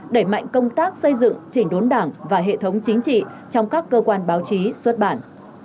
đẩy mạnh công tác xây dựng chỉnh đốn đảng và hệ thống chính trị trong các cơ quan báo chí xuất bản